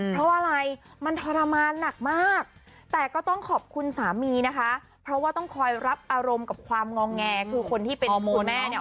เพราะอะไรมันทรมานหนักมากแต่ก็ต้องขอบคุณสามีนะคะเพราะว่าต้องคอยรับอารมณ์กับความงองแงคือคนที่เป็นคุณแม่เนี่ย